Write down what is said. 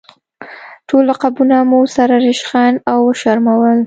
ټول لقبونه مو سره ریشخند او وشرمول.